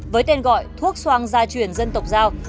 với tên gọi thuốc soan gia truyền dân tộc giao